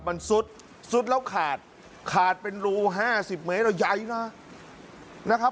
มันซุดซุดแล้วขาดขาดเป็นรูห้าสิบเมตรแล้วใหญ่นะนะครับ